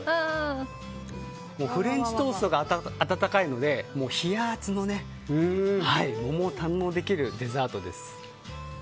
フレンチトーストが温かいので冷やアツの桃を堪能できるデザートです。